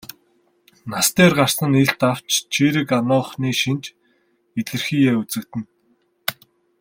Нас дээр гарсан нь илт авч чийрэг ануухны шинж илэрхийеэ үзэгдэнэ.